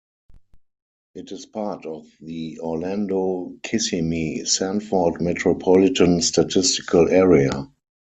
It is part of the Orlando-Kissimmee-Sanford Metropolitan Statistical Area.